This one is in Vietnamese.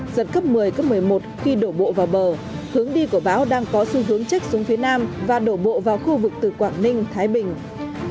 giật cấp một mươi cấp một mươi một khi đổ bộ vào bờ hướng đi của bão đang có xu hướng trách xuống phía nam và đổ bộ vào khu vực từ quảng ninh thái bình